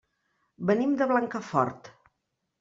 Venim de Blancafort.